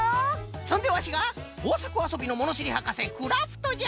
そんでわしがこうさくあそびのものしりはかせクラフトじゃ！